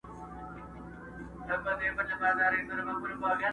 د ابوجهل خوله به ماته وي شیطان به نه وي؛